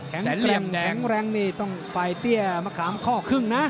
แข็งแกร่งแข็งแรงนี่ต้องฝ่ายเตี้ยมะขามข้อครึ่งนะ